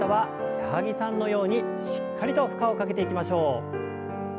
矢作さんのようにしっかりと負荷をかけていきましょう。